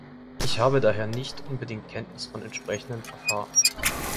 Ich habe daher nicht unbedingt Kenntnis von entsprechenden Verfahren.